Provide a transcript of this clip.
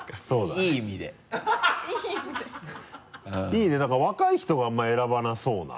いいね何か若い人はあんま選ばなそうな。